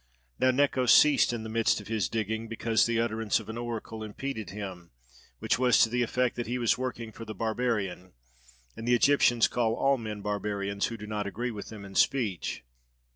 Now Necos ceased in the midst of his digging, because the utterance of an Oracle impeded him, which was to the effect that he was working for the Barbarian: and the Egyptians call all men Barbarians who do not agree with them in speech.